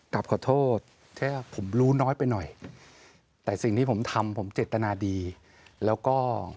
กลับขอโทษแค่ผมรู้น้อยไปหน่อยแต่สิ่งที่ผมทำผมเจตนาดีแล้วก็